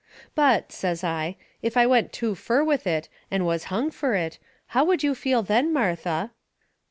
"But," says I, "if I went too fur with it, and was hung fur it, how would you feel then, Martha?"